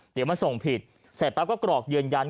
เดี๋ยวมันส่งผิดเสร็จปั๊บก็กรอกยืนยัน